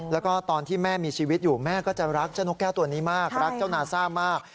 แล้วก็ตอนที่แม่มีชีวิตอยู่แม่ก็จะรักเจ้านกแก้วตัวนี้มากรักเจ้านาซ่ามาก